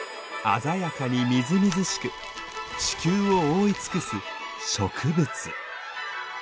鮮やかにみずみずしく地球を覆い尽くす植物。